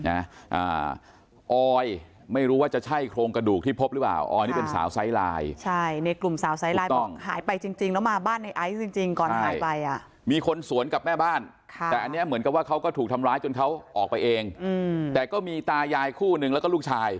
เออยไม่รู้ว่าจะใช่โครงกระดูกที่พบหรือเปล่า